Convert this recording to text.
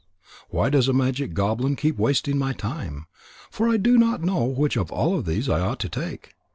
Why does that magic goblin keep wasting my time? For I do not know which of all these I ought to take.